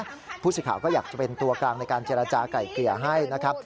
ผู้สื่อข่าวก็อยากจะเป็นตัวกลางในการเจรจาก่ายเกลี่ยให้นะครับ